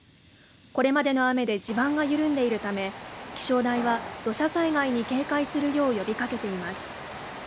これまでの雨で地盤が緩んでいるため、気象台は土砂災害に警戒するよう呼びかけています。